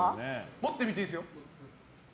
持ってみていいですよ。